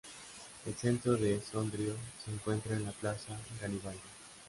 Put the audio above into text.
El centro de Sondrio se encuentra en la Plaza Garibaldi.